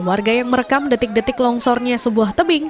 warga yang merekam detik detik longsornya sebuah tebing